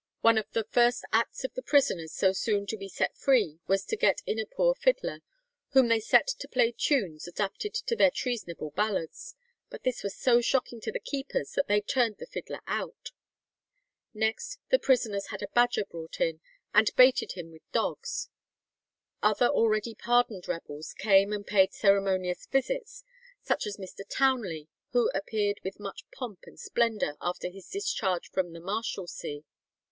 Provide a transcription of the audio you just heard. One of the first acts of the prisoners so soon to be set free was to get in a poor fiddler, "whom they set to play tunes adapted to their treasonable ballads; ... but this was so shocking to the keepers that they turned the fiddler out." Next the prisoners had a badger brought in, and baited him with dogs. Other already pardoned rebels came and paid ceremonious visits, such as Mr. Townley, who appeared with much pomp and splendour after his discharge from the Marshalsea.